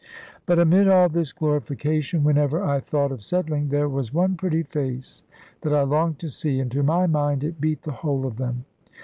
But, amid all this glorification, whenever I thought of settling, there was one pretty face that I longed to see, and to my mind it beat the whole of them.